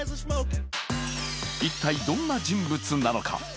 一体、どんな人物なのか？